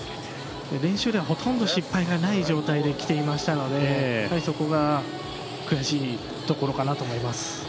練習ではほとんど失敗がない状態で来ていましたのでそこが悔しいところかなと思います。